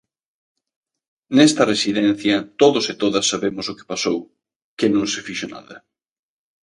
Nesta residencia todos e todas sabemos o que pasou: que non se fixo nada.